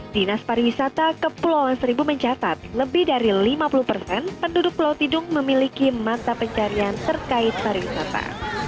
dinas pariwisata kepulauan seribu mencatat lebih dari lima puluh persen penduduk pulau tidung memiliki mata pencarian terkait pariwisata